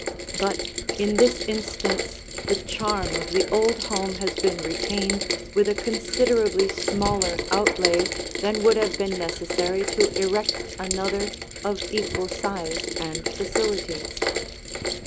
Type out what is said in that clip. But in this instance the charm of the old home has been retained with a considerably smaller outlay than would have been necessary to erect another of equal size and facilities.